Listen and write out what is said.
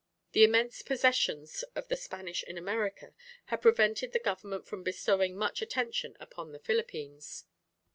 The immense possessions of the Spanish in America have prevented the government from bestowing much attention upon the Philippines.